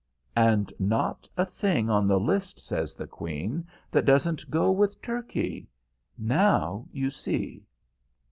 "And not a thing on the list," says the Queen, "that doesn't go with turkey! Now you see."